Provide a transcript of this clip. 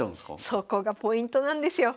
そこがポイントなんですよ。